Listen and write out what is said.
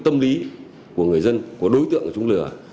tâm lý của người dân của đối tượng của chúng lừa